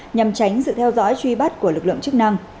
nhằm tránh sự theo dõi truy bắt của lực lượng chức năng